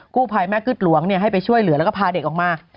กู้ภัยแม่กึ๊ดหลวงให้ไปช่วยเหลือแล้วก็พาเด็กออกมา